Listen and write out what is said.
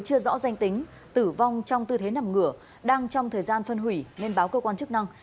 chưa rõ danh tính tử vong trong tư thế nằm ngửa đang trong thời gian phân hủy nên báo cơ quan chức năng